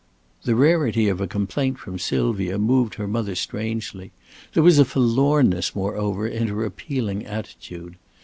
The rarity of a complaint from Sylvia moved her mother strangely. There was a forlornness, moreover, in her appealing attitude.